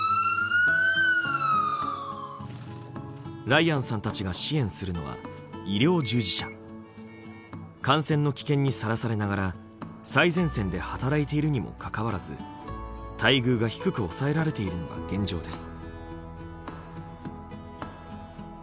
ライアンさんたちが支援するのは感染の危険にさらされながら最前線で働いているにもかかわらず待遇が低く抑えられているのが現状です。